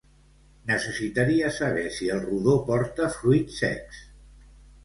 Necessitaria saber si el rodó porta fruits secs.